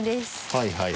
はいはい。